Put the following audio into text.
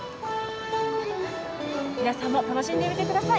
皆さんも楽しんでみてください。